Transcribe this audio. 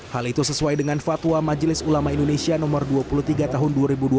hal itu sesuai dengan fatwa majelis ulama indonesia no dua puluh tiga tahun dua ribu dua puluh